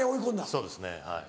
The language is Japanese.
そうですねはい。